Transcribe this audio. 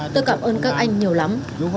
tôi cảm ơn các anh nhiều lắm